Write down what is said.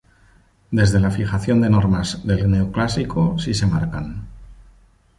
Desde la fijación de normas del neoclásico sí se marcan.